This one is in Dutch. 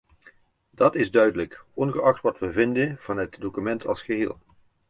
Dat is duidelijk, ongeacht wat we vinden van het document als geheel.